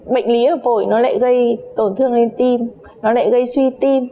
bệnh lý ở phổi nó lại gây tổn thương lên tim nó lại gây suy tim